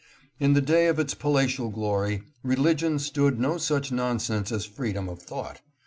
In the day of its palatial glory, religion stood no such non sense as freedom of thought.